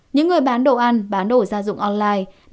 những người bán đồ ăn bán đồ gia dụng online